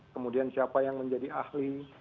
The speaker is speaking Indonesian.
kemudian siapa yang menjadi ahli